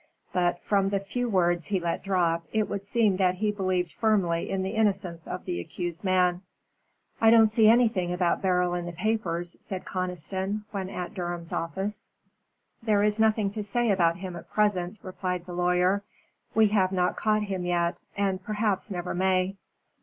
But, from the few words he let drop, it would seem that he believed firmly in the innocence of the accused man. "I don't see anything about Beryl in the papers," said Conniston, when at Durham's office. "There is nothing to say about him at present," replied the lawyer. "We have not caught him yet, and perhaps never may."